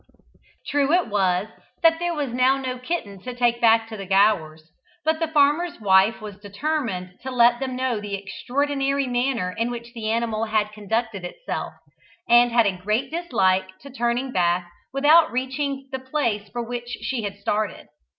True it was that there was now no kitten to take back to the Gowers, but the farmer's wife was determined to let them know the extraordinary manner in which the animal had conducted itself, and had a great dislike to turning back without reaching the place for which she had started.